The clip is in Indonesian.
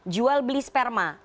jual beli sperma